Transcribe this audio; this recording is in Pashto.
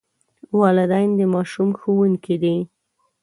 والدین د ماشوم ښوونکي دي.